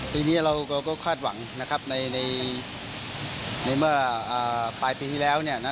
ปีนี้เราก็คาดหวังนะครับในเมื่อปลายปีที่แล้วเนี่ยนะ